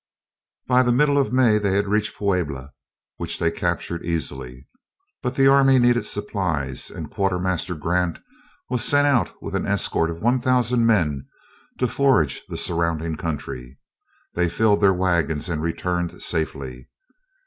By the middle of May they had reached Puebla, which they captured easily. But the army needed supplies, and Quartermaster Grant was sent out with an escort of one thousand men to forage the surrounding country. They filled their wagons and returned safely.